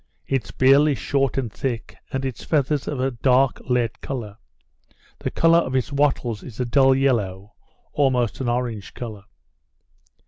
Its bill is short and thick, and its feathers of a dark lead colour; the colour of its wattles is a dull yellow, almost an orange colour.